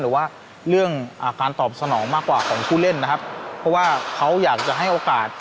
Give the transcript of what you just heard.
หรือว่าเรื่องการตอบสนองมากกว่าของผู้เล่นนะครับเพราะว่าเขาอยากจะให้โอกาส